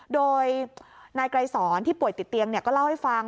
โดยนายไกรสอนที่ป่วยติดเตียงก็เล่าให้ฟัง